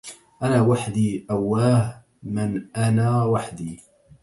أنا وحدي أواه من أنا وحدي